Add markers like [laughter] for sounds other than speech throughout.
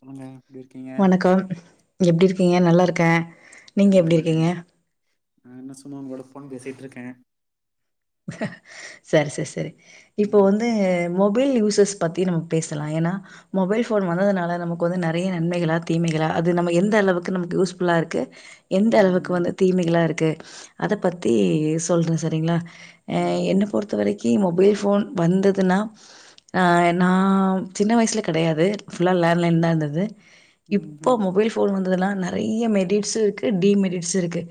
சொல்லுங்க எப்டி இருக்கீங்க வணக்கம் எப்டி இருக்கீங்க நல்லா இருக்கேன் நீங்க நான் எப்டி இருக்கீங்க? நல்லிருக்கேன் நான் என்ன சும்மா உங்களோட ஃபோன் பேசிட்டு இருக்கேன் செரி செரி செரி இப்போ வந்து ம் மொபைல் யூசஸ் பத்தி நம்ம பேசலாம் ஏனா மொபைல் போன் வந்ததுனால நமக்கு வந்து நெறைய நன்மைகளா தீமைகளா அது நம்ம எந்த அளவுக்கு நமக்கு யூஸ் ஃபுல்லா இருக்கு எந்த அளவுக்கு ம் வந்து தீமைகளா இருக்கு அத பத்தி சொல்றேன் செரிங்களா அ ம் என்ன பொறுத்த வரைக்கி மொபைல் ஃபோன் வந்ததுன்னா நான் சின்ன வயசுல கிடையாது ஃபுல்லா லேண்ட்லைன் தான் இருந்தது ம் இப்போ ம் மொபைல் ஃபோன் வந்ததெல்லாம் நெறைய மெடிட்ஸ் டிமெரிஸ் இருக்கு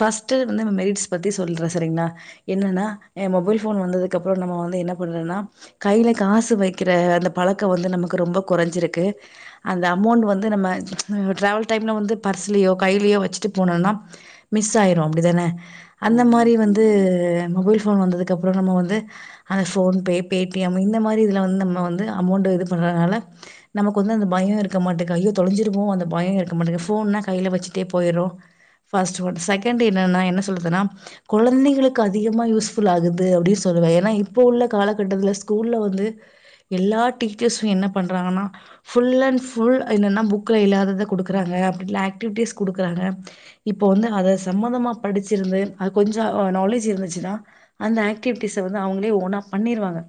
ஃபஸ்ட் வந்து மெரிட்ஸ் பத்தி சொல்றேன் செரிங்களா என்னன்னா ஏன் மொபைல் ஃபோன் வந்ததுக்கு அப்பறம் நம்ம வந்து என்ன பண்றேனா கையில காசு வைக்கிற அந்த பழக்கம் வந்து நமக்கு ரொம்ப கொறஞ்சிருக்கு அந்த அமௌண்ட் வந்து நம்ம டிரவல் டைம்ல வந்து பர்ஸ்லயோ கையிலயோ வெச்சுட்டு போனணும்ம்னா மிஸ் ஆயிரும் அப்டிதானே அந்த ம் மாரி வந்து மொபைல் ஃபோன் வந்ததுக்கு அப்பறம் நம்ம வந்து அந்த ஃபோன்பே பே டி எம் இந்த மாரி இதுல வந்து நம்ம வந்து அமௌண்ட் இது பண்றனால நமக்கு வந்து அந்த பயோ இருக்க மாட்டேங்கு ஐயோ தொலைஞ்சிருமோ அந்தபயம் இருக்க மாட்டேங்க ஃபோன்னா கைல வெச்சுட்டே போயிர்ரோ பஸ்ட் ஒன் செகண்ட் என்னன்ன என்ன சொல்றதுனா கொழந்தைகளுக் அதிகமா யூஸ் ஃபுல் ஆகுது அப்டின்னு சொல்லுவே ஏனா இப்ப உள்ள காலகட்டத்துல ஸ்கூல்ல வந்து எல்லா டீச்சர்ஸூ என்ன பண்றாங்கனா புஃ அன் ஃபுல் என்னன்னா புக்ல இல்லாதத குடுக்குறாங்க அப்பட ஆக்டிவிட்டிஸ் குடுக்றாங்க இப்போ வந்து அதை சம்மந்தமா படிச்சிருந்து அது கொஞ்ச ஆ நாலேஜ் இருந்துச்சுனா அந்த ஆக்டிவிட்டிஸ வந்து அவங்ளே ஓன்னா பண்ணிருவாங்க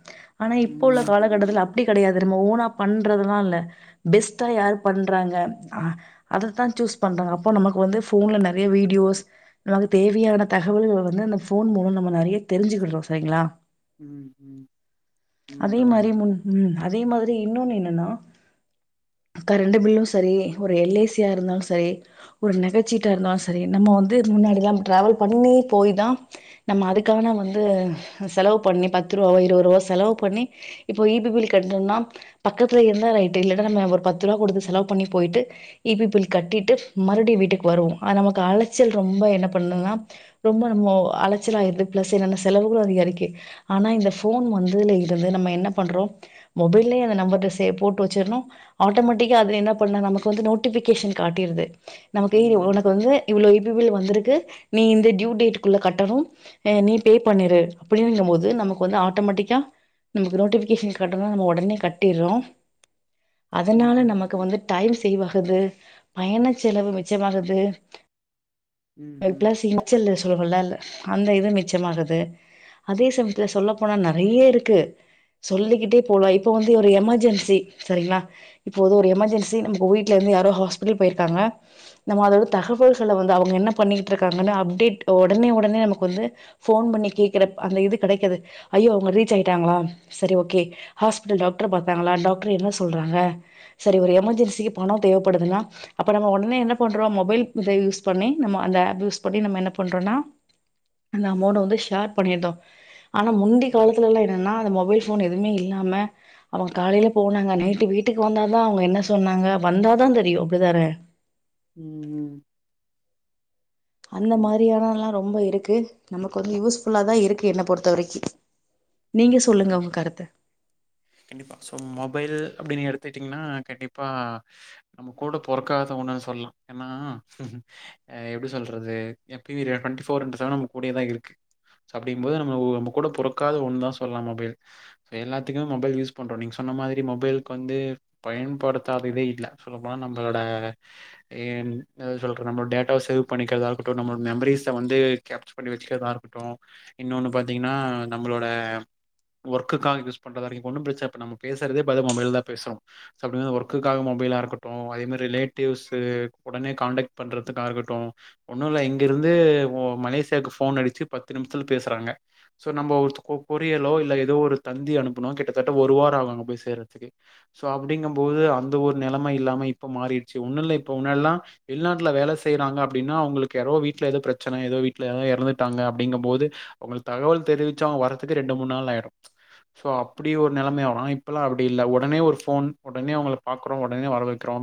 ஆனா இப்போ உள்ள ம் காலத் கட்டதுல அப்டி கெடையாது நம்ம ஓனா பண்றதுல்லா இல்ல பெஸ்ட்டா யாரு பண்றாங்க அதத்தா சூஸ் பண்றாங்க அப்போ நமக்கு வந்து ஃபோன்ல நெறைய வீடியோஸ் நமக்கு தேவையான தகவல்கள் வந்து அந்த ஃபோன் மூலம் நம்ம நறைய தெரிஞ்சுக்கிடுறோ சரிங்ளா ம் ம் அதே உண்மதா மாரி உண்மதா முன் ம் அதே மாதிரி இன்னொன்னு என்னன்னா கரண்ட பில்லு சரி ஒரு எல் ஏ சி யா இருந்தாலு சரி ஒரு நகைச்சீட்டா இருந்தாலு சரி நம்ம வந்து முன்னாடில்லா டிராவல் பண்ணி போய்தா நம்ம அதுக்கு க்கான வந்து செலவு பண்ணி பத்து ரூவாவோ இருபது ரூவா செலவு பண்ணி இப்போ இ பி பில் கட்டும்னா பக்கத்துல இருந்தா ரைட் இல்லடா நம்ப ஒரு பத்து ரூபா குடுத்து செலவு பண்ணி போயிட்டு ஈ பி பில் கட்டிட்டு மறுவடி வீட்டுக்கு வருவோ நமக்கு அலைச்சல் ரொம்ப என்ன பண்னுன்னா ரொம்ப நம்போ அலச்சல் ஆய்ருது பிளஸ் என்னென்னா செலவுகளு அதிகரிக்கு ஆனா இந்த ஃபோன் வந்துல இருந்து நம்ம என்ன பண்றோ மொபைல்லயே அந்த நம்பர்ட்ட சேவ் போட்டு வெச்சிர்ணு ஆட்டோமேட்டிக்கா அது என்ன பண்ணுனா நமக்கு வந்து நோட்டிபிகேஷன் காட்டிருது நமக்கு ம் உனக்கு வந்து இவ்ளோ இ பி பில் வந்திருக்கு நீ இந்த டியூ டேட்க்குள்ள கட்டணு நீ பே பண்ணிரு அப்படிங்க போது நமக்கு வந்து ஆட்டோமேட்டிக்கா நமக்கு நோட்டிபிகேஷன் காட்டனா நம்ம ஒடனே கட்டிர்றோ ம் அதனால ம் நமக்கு வந்து டைம் சேவாகுது பயண செலவு மிச்சமாகுது ம் ப்ளஸ் இப்பல்லா [unintelligible] இல் சொல்ல சொலா இல்ல அந்த இது மிச்சமாகது அதே சமயத்தில் சொல்ல போனா நெறைய இருக்கு சொல்லிக்கிட்டே போலா இப்ப வந்து ஒரு எமர்ஜென்சி சரிங்ளா இப்போது எமர்ஜன்சி நம்ம வீட்ல இருந்து யாரோ ஹாஸ்பிடல் போயிருக்காங்க நம்ம அதோட தகவல்களை வந்து அவங்க என்ன பண்ணிக்கிட்டு இருக்காங்கன்னு அப்டேட் ஒடனே ஒடனே நமக் வந்து போன் பண்ணி கேக்குற அந்த இது கெடைக்கது ஐயோ அவங்க ரீச் ஆயிட்டாங்களா சரி ஓகே ஹாஸ்பிட்டல் டாக்டர பாத்தாங்களா டாக்டர் என்ன சொல்றாங்க சரி ஒரு எமர்ஜென்சிக்கு பனோ தேவைப்படுதுனா அப்ப நம்ம உடனே என்ன பண்றோ மொபைல் இத யூஸ் பண்ணி நம்ம அந்த ஆப் யூஸ் பண்ணி நம்ம என்ன பண்றோனா அந்த அமொண்ட வந்து ஷேர் பண்ணிட்டோ ஆனா முந்தி ம் காலத்துல எல்லா ன்னா அந்த மொபைல் ஃபோன் எதுவுமே இல்லாம அவங்க காலைல போனாங்க நைட்டு வீட்டுக்கு வந்தாதா அவங்க என்ன சொன்னாங்க வந்தாதா தெரியு அப்டிதான ம் ம் அந்த ஆமா மாரியானல்லா ரொம்ப இருக்கு நமக்கு வந்து யூஸ்ஃபுல்ல தா இருக்கு என்ன பொறுத்த வரைக்கு ஓகே ஓகே கண்டிப்பா சோ மொபைல் அப்டின்னு எடுத்துட்டீங்கனா கண்டிப்பா நம்ம கூட பொறக்காதாவனா சொல்லா ஏனா எப்டி சொல்றது எப் [unintelligible] டுவெண்ட்டிஃபர் இன்டு செவன் நமக்கு கூடியதா இருக்கு அப்டிங்கும்போது நம்ம நம்ப கூட பொறக்காத ஒண்ணு தா சொல்லா மொபைல் எல்லாத்துக்குமே மொபைல் யூஸ் பண்றோ நீங்க சொன்ன மாரி மொபைலுக்கு வந்து பயன்படுத்தாததே இல்ல சொல்ல போன நம்பளோட ஏன் சொல்ரோ நம்ம டேரக்டா சேவ் பண்ணிக்கரதாகட்டு நம்மளோட மெமரிஸ்ச வந்து கேப்சர் பண்ணி வச்சுக்கிறதா இருக்கட்டு இன்னொன்னு பாத்தீங்கன்னா நம்மளோட ஒர்க்குகா யூஸ் பண்றதா [unintelligible] இப்ப ஒன்னு பிரச்ச இப்ப நாம பேசுறதே பாத்த மொபைல் தா பேசுறோ சோ அப்டி அந்த ஒர்க்குக்காக மொபைலா இருக்கட்டு அதே மாரி ரிலேட்டிவ்சு ஒடனே கான்ண்டக்ட் பண்றதுக்கா இருக்ட்டு ஒண்ணு இல்ல இங்க இருந்து ஒ மலேசியாக்கு போன் அடிச்சு பத்து நிமிஷத்துல பேசுறாங்க சோ நம்ம ஒரு கொ கொரியலோ இல்ல ஏதோ ஒரு தந்தி அனுப்புணு கிட்டத்தட்ட ஒரு வாரோ ஆகு அங்க போய் சேறதுக்கு சோ அப்படிங்கு போது அந்த ஒரு நெலமை இல்லாம இப்ப மாறிடுச்சு ஒன்னு இல்ல இப்ப உன்னல்லா வெளிநாட்டுல வேல செய்றாங்க அப்டின்னா அவங்களுக்கு யாரோ வீட்ல ஏதோ பிரச்சன ஏதோ வீட்ல யாரோ இறந்துட்டாங்க அப்படிங்கும் போது அவ்ங்களுக்கு தகவல் தெரிவிச்ச அவுங்க வர்ரதுக்கு ரெண்டு முணு நாள் ஆயிடு ஸோ அப்டி ஒரு நெலைமை ஆரு இப்போல்லா அப்டி இல்ல உடனே ஒரு ஃபோன் உடனே அவங்கள பாக்றோ ஒடனே வரவக்கிறோ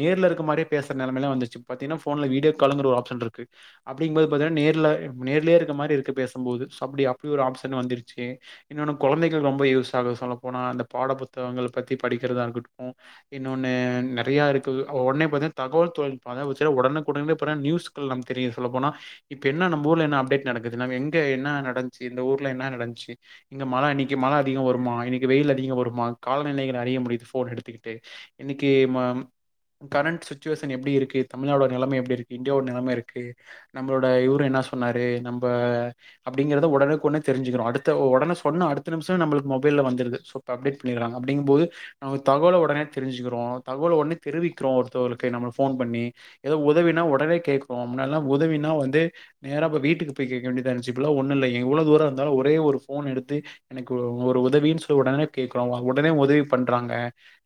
நேர்ல இருக்க மாரியே பேசற நெலமேல்ல வந்துச்சு பாத்தீங்ன்னா போன்ல வீடியோ காலுகுற ஒரு ஆப்ஷன் இருக்கு அப்டிங்க போது பாத்தீங்கன்னா நேர்ல நேர்லய இருக்கற மாரி இருக்கு பேசும்போது அப்டி அப்டி ஒரு ஆப்ஷன் வந்துருச்சு இன்னோனு கொழந்தைகள் ரொம்ப யூஸ் ஆகு சொல்ல போனா அந்த பாட புத்தகங்கள் பத்தி படிக்கிறதா இருக்குட்டு இருக்கு இன்னொனு நெறையா இருக்குது உடனே பாத்தீனா தகவல் தொழில்நுட்பம் அதாது பாத்தீங்கன்னா ஒடனுக்குடனே இப்போல நியூஸ் [unintelligible] நம்கு தெரியு சொல்ல போனா இப்ப என்ன நம்ம ஊர்ல என்ன அப்டேட் நடக்குதுனா நம்ம எங்க என்ன நடந்துச்சு இந்த ஊர்ல என்ன நடந்துச்சு இங்க மழ இன்னைக்கு மழ அதிக வருமா இன்னைக்கு வெயில் அதிகோ வருமா காலநிலைங்க அறிய முடியுது ஃபோன் எடுத்துக்கிட்டு இன்னைக்கு மா கரண்ட் சுச்சுவேஷன் எப்டி இருக்கு தமிழ்நாடோட நெலம எப்டி இருக்கு இண்டியாவோட நெலமஇருக்கு நம்பளோட இவரு என்ன சொன்னாரு நம்ப அப்டிங்கிறத ஒடனுக்குடனே தெரிஞ்சுக்கிறோ அடுத்து ஒடனே சொன்ன அடுத்த நிமிஷ நம்பளுக்கு மொபைல வந்துருது சூப்பர் அப்டேட் பண்ணிருகாங்க அப்டிங்கும் போது நம்ம தகவல உடனே தெரிஞ்சுக்கிறோ தகவல உடனே தெரிவிக்கிறோ ஒருத்தவகளுக்கு நம்ம போன் பண்ணி ஏதோ உதவினா ஒடனே கேக்குறோ முன்னாடில்லா உதவினா வந்து நேரா போய் வீட்டுக்கு போயி கேட்க வேண்டியதா இருன்ச்சி இப்பலா ஒன்னு இல்ல எவ்ளோ தூரோ இருந்தாலோ ஒரே ஒரு போன் எடுத்து எனக்கு ஒரு உதவின்னு சொல்லி உடனே கேக்குறோ உடனே உதவி பன்றாங்க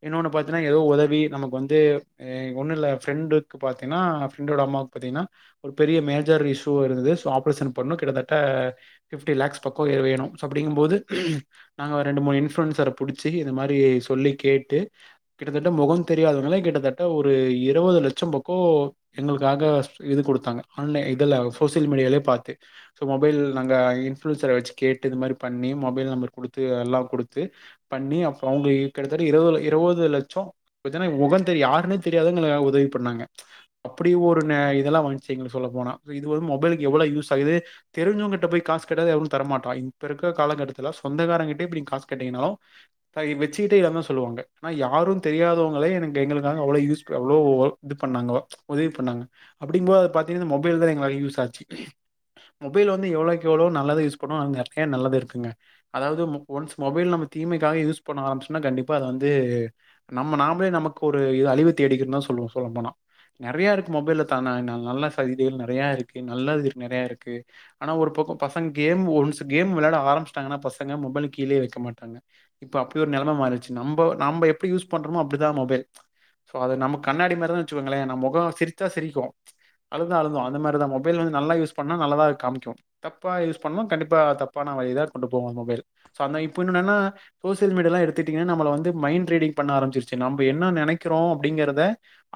இன்னொன்னு பாத்தீன்னா ஏதோ ஒரு உதவி நமக்கு வந்து எ ஒண்ணுஇல எ ஃப்ரெண்டுக்கு பாத்தீங்கன்னா ஃப்ரெண்டோட அம்மாவுக்கு பாத்தீங்கன்னா ஒரு பெரிய மேஜர் இஷ்யூ இருந்தது சோ ஆபரேஷன் பண்ணு கிட்டத்தட்ட பிப்டி லேக்ஸ் பக்கோ வேணு சோ அப்டிங்கும் போது நாங்க ரெண்டு மூணு இன்ஃபளுவன்சர புடிச்சி இந்த மாரி சொல்லி கேட்டு கிட்டத்தட்ட முக தெரியாதுவங்களே கிட்டத்தட்ட ஒரு இருவது லட்ச பக்கோ எங்களுக்காக இது கொடுத்தாங்க ஆன்லை இதுல்ல சோசியல் மீடியாலேயே பாத்து சோ மொபைல் நாங்க இன்பூளுசரன்ஸ்ச வச்சு கேட்டு இது மாரி பண்ணி மொபைல் நம்பர் குடுத்து எல்லா குடுத்து பண்ணி அப்ப அவங்க கிட்டத்தட்ட இருவது இருவது லட்சோ [unintelligible] மொக தெரி யாருன்னே தெரியாததுங்கல உதவி பண்ணாங்க அப்டி ஒரு நெ இதெல்லா வன்ச்சு சொல்ல போனா இது வந்து மொபைலுக்கு எவ்ளோ யூஸ் ஆகுது தெரிஞ்சங்வகிட்ட போய் காசு கேட்டாலே எவ்ளு தர மாட்ராய்ங் இப்ப இருக்கற காலக்கட்டத்துல சொந்தக்காரங்க கிட்ட போய் காசு கேட்டீங்கன்னாவ் த வச்சக்கிட்டே இல்ல தா சொல்லுவாங்க ஆனா யாரு தெரியாதவங்களே எனக்கு எங்களுக்காக அவ்ளோ யூஸ் அவ்ளோ இது பண்ணாங்கோ உதவி பண்ணாங்க அப்டிம்போது பாத்தீங்கனா இந்த மொபைல் தா எங்கலால யூஸ் ஆச்சு மொபைல் வந்து எவ்ளோக்கு எவ்ளோ நல்லது யூஸ் பண்ணுவு அது நெறைய நல்லது இருக்குங்க அதாவது ஒன்ஸ் மொபைல் நம்ம தீமைக்காக யூஸ் பண்ண ஆரம்பிச்சோம்னா கண்டிப்பா அத வந்து நம்ம நாமளே நமக்கு ஒரு இது அழிவு தேடிக்கிறது தா சொல்லுவோ சொல்ல போனா நெறையா இருக்கு மொபைல்ல தானா என்ன நல்ல செய்திகள் நெறையா இருக்கு நல்ல விஷங்கள் நெறையா இருக்கு ஆனா ஒரு பக்கெ பசங்க கேம் ஒன்ஸ் கேம் வெளாட ஆரம்பிச்சிட்டாங்கன்னா பசங்க மொபைல கீலே வைக்க மாட்டாங்க இப்ப அப்டி ஒரு நொலம மாறிடுச்சு நம்ப நம்ப எப்டி யூஸ் பண்றோமோ அப்டிதா மோபைல் ஸோ அது நமக்கு கண்ணாடி மாரி தா வச்சுகங்களே நம் முகம் சிரிச்சா சிரிக்கூ அழுதா அழுகூ அந்த மாரி தா மொபைல் வந்து நல்லா யூஸ் பண்ணா நல்லாத் காமிக்கூ தப்ப யூஸ் பண்ணா கண்டிப்பா இபப தப்பான வழிதா கொண்டு போவோ மொபைல் சோ அந்த இப்ப என்னென்னூ என்னன்னா சோசியல் மீடியாவ லா எடுத்துட்டீங்கன்னா நம்மள வந்து மைண்டு ரீடிங் பண்ண ஆரம்பிச்சிருச்சு நம்ம என்ன நெனைிக்கிறோ அப்டிங்கிறத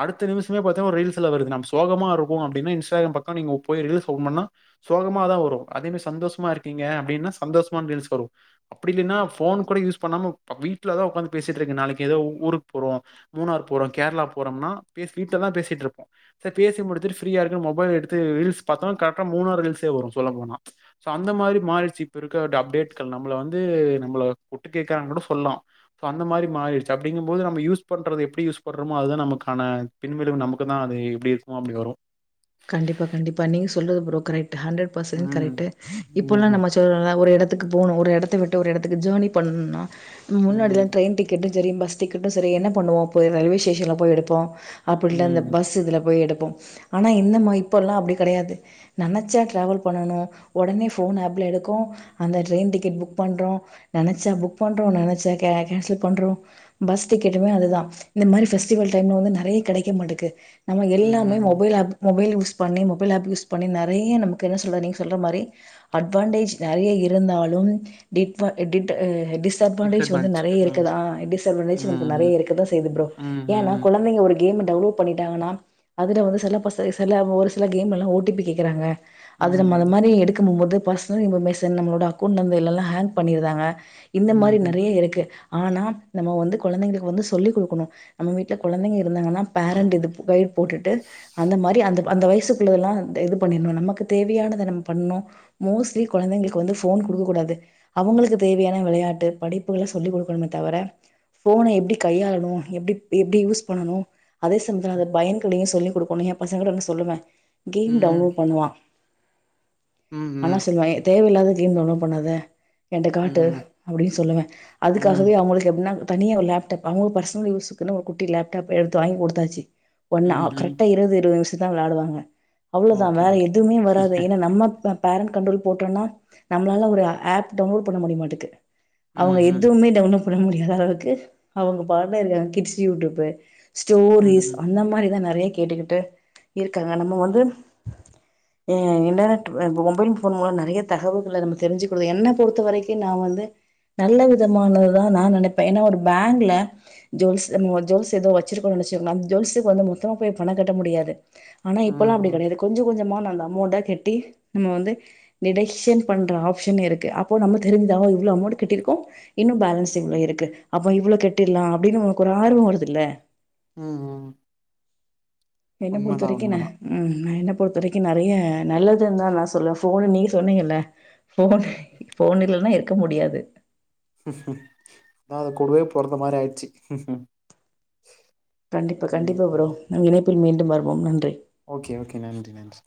அடுத்த நிமிஷமே பாத்தீங்க ‌ஒரூ ரீல்ஸ்ல்லா வருது நம்ம சோகமா இருக்கூ அப்டின்னா இன்ஸ்டாகிராம் பக்கோ நீங்க போய் ரீல்ஸ் ஓப்பன் பன்னா சோகமாதா வரூ அதே சந்தோஷமா இருக்கீங்க அப்டின்னா சந்தோஷமா ரீல்ஸ் தா வரோ அப்டி இல்லன்னா ஃபோன் கூட யூஸ் பண்ணாமப்ப வீட்டுல தா உக்காந்து போசிட்டு இருக்கோ நாளைக்கி ஏதோ உங் ஊருக்கு போறோ மூணார் போறோ கேரளா போறோம்னா பே வீட்டுலதா பேசிட்டு இருப்போ ச பேசி முடிச்சிட்டு ஃப்ரீ இருக்கு மொபைல் எடுத்து ரீல்ஸ் பார்த்தோ கரெக்டா மூணார் ரீல்ஸே வரூ சொல்லப்போனா சோ அந்த மாரி மாறிடுச்சு இப்ப இருக்க அப்டேட் கள்லா வந்து நம்மள ஒட்டு கேககிறாங்க கூட சொல்லலா ஸோ அந்த மாரி மாறிடுச்சு அப்டிங்கும் போது நம்ம யூஸ் பண்றது எப்டி யூஸ் பண்றோமோ அதுதா நமக்கான பின்விலைவு நமக்கு தா அது எப்டி இருக்குமோ அப்டி வரூ கண்டிப்பா கண்டிப்பா நீங்க சொல்றத்து ஃப்ரோ கரக்ட் ஹண்ரட்டு பர்சன்ட் ம் கரெக்ட் இப்பல்லா ம் நம்ம ஒரு இடத்துக்கு போனே ஒரு இடத்துக்கு விட்டு ஒரு இடத்துக்கு ஜேர்னி பண்ணா முன்னாடியில ம் டிரெயின் டிக்கெட் க்கெட்டு சரி பஸ் டிக்கெட்டு சரி என்ன பன்னுவோ ரயில்வே ஸ்டேஷன்ல போய் எடுப்போ அப்பட்லா ம் பஸ் இதில் போய் எடுப்போ ஆனா இந்த மா இப்போல்லா அப்படி கெடையாது நினைச்சா டிரவல் பண்ணணோ உடனே ஃபோன் ஆப்பல எடுக்கூ அந்த ட்ரெயின் டிக்கெட் புக் பண்றோ நினைச்சா புக் பன்றோ நினைச்சா கே கேன்சல் பண்றோ பஸ் டிக்கெட்டுமே அதுதா இந்த மாதிரி பெஃஸ்டிவல் டைம்ல வந்து நெறய கிடைக்க மாட்டேக்கு நம்ம எல்லாமே ம் மொபைல் ஆப் மொபைல் யூஸ் பண்ணி மொபைல் ஆப் யூஸ் பண்ணி நெறய நமக்கு என்ன சொல்றது நீங்க சொல்ற மாரி அட்வான்டேஜ் நெறய இருந்தாலும் டிட் வாண்ட் டிட்டு டிஸ் டிஸ் அட்வான்டேஜ் வந்து டிஸ்அட்வான்டேஜ் நெறய இருக்கு ம் தா டிஸ் அட்வான்டேஜ் ம் நெறய இருக்க தா செய்யுதூ ப்ரோ ம் ஏன்னா ம் குழந்தைங்க ஒரு கேம்ம டவுன்லோட் பண்ணிட்டாங்கன்னா அதில் வந்து சில பச சில ஒரு சில கேம்ல்லா ஓ டி பி கேக்குறாங்க அது நம்ம ‌அது ம் மாரி எடுக்கூ போவ் போது ஃபஸ்ட் [unintelligible] நம்மளோட அக்கவுண்ட் நம்பர் லெல்லா ஹாங் பண்ணிருந்றாங்க இந்த மாதிரி ம் நெறைய இருக்கு ஆனா நம்ம வந்து குழந்தைங்களுக்கு வந்து சொல்லிக் கொடுக்கணூ நம்ம வீட்ல குழந்தைங்க இருந்தாங்கன்னா பேரண்டட் இது கைட் போட்டுட்டு அந்த மாதிரி அந்த அந்த வயசுக்குள்ளதெல்லா இது பண்ணிடணும் நமக்கு தேவையானதை நம்ம பண்ணோ மோஸ்ட்லி குழந்தைங்களுக்கு வந்து ஃபோன் கொடுக்க கூடாது அவங்களுக்கு தேவையான விளையாட்டு படிப்புகளை சொல்லிக் கொடுக்கணுமே தவிர ஃபோன எப்டி கையாளணூ எப்டி எப்டி யூஸ் பண்ணணோ அதே சமயத்துல அதன் பயன்களையூ சொல்லிக் கொடுக்கணூ எங் பசங்களூக்கு அப்பி சொல்லுவே கேம் ம் டவுன்லோட் பண்ணுவா ஆனா ம் சொல்லுவா தேவையில்லா கேம் டவுன்ட் பண்ணாத என்ட காட்டு ம் அப்படின்னு சொல்லுவே அதுக்காகவே அவங்களுக்கு எப்பட்னா தனியா ஒரு லோப் டாப் அவங்களூக் பசங்களூக் யூஸுக்குனு ஒரு குட்டி லேப் டாப் எடுத்து வாங்கி கொடுத்தாச்சு ஒன்னு ம்ஹ்ம் கரெக்டா இருவது இருவது நிமிஷோ தா விளாடுவாங்க அவ்ளோதா ஓகே வேறு ஓகே எதுவுமே வராது ஏன்னா நம்ம ப்போ பேரன்ட் கண்ட்ரோல் போட்டோம்னா நம்மளால ஒரு ஆப் டவுன்லோட் பண்ண முடிய மாட்டேக்குது அவங்க ம்ஹ்ம் எதுவ்மே டவுன்லோட் பண்ண முடியாத அளவுக்கு அவெங்க பாட்னூ இருக் கிட்ஸ் யூடியூப்ஹு ஸ்டோரிஸ் ம்ஹ்ம் அந்த மாதிரிதா நெறய கேட்டுக்கிட்டு இருக்காங்க நம்ம வந்து ஏ என்ன ‌அ ஒ மொபைல் ஃபோன் மூலம் நெறய தகவல்களை நம்ம தெரிஞ்சுக்கனோ என்ன பொறுத்த வரைக்கூ நா வந்து நல்ல விதமானது தா நா நினைப்பே ஏன்னா ஒரு பேங்க்ல ஜோல்ஸ் என்னூவ ஜோல்ஸ் ஏதோ வெச்சிருக்கோ நினச்சங் நம் ஜோல்ஸ்செ குறைஞ்சதூ மொத்தே போய் பண கட்ட முடியாது ஆனா இப்பல்லா அப்டி ம்ஹ்ம் கெடையாது கொஞ்ச கொஞ்சமா நா அந்த அமௌண்டா கட்டி நம்ம வந்து டிடெக்ஷன் பண்ற ஆப்ஷன் இருக்கு அப்போ நம்ம தெரிஞ்சதாவு இவ்ளோ அமௌண்ட்டு கட்டிருக்கோ இன்னு பேலன்ஸ் இவ்ளொ இருக்கு அப்ப இவ்ளொ கட்டிர்லா அப்டின் உனக் ஒரு ஆர்வொ வருதுல்ல ம் என்ன உண்மதான் பொருத்தவரைக்கு ந உண்மதான் ம் நா என்ன பொறுத்த வரைக்கு நறைய நல்லதுன் தா நா சொல்லுவே ஃபோனு நீங்க சொன்னீங்கல்ல ஃபோனு ஃபோனு இல்லன்னா இருக்க முடியாது அதா அது கூடுவே பொறந்த மாரி ஆயிட்ச்சு கண்டிப்பா கண்டிப்பா ப்ரோ நம் இணைப்பில் மீண்டும் வருவோம் நன்றி ஓகே ஓகே நன்றி நன்றி